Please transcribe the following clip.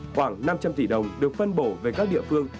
khoảng năm trăm linh tỷ đồng được phân bổ về các địa phương